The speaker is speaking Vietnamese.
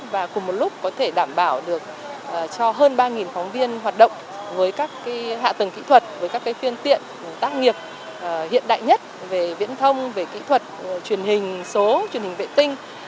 và cùng một lúc có thể đảm bảo được cho hơn ba phóng viên hoạt động với các hạ tầng kỹ thuật với các phương tiện tác nghiệp hiện đại nhất về viễn thông về kỹ thuật truyền hình số truyền hình vệ tinh